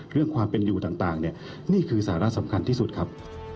เรื่องความเป็นอยู่ต่างเนี่ยนี่คือสาระสำคัญที่สุดครับ